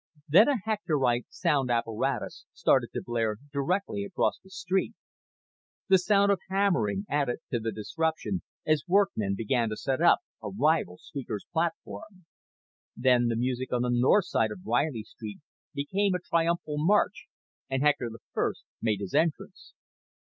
Then a Hectorite sound apparatus started to blare directly across the street. The sound of hammering added to the disruption as workmen began to set up a rival speaker's platform. Then the music on the north side of Reilly Street became a triumphal march and Hector I made his entrance.